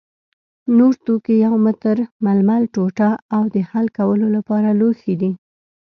نور توکي یو متر ململ ټوټه او د حل کولو لپاره لوښي دي.